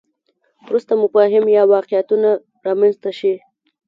وروسته مفاهیم یا واقعیتونه رامنځته شي.